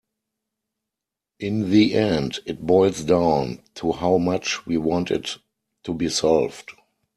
In the end it boils down to how much we want it to be solved.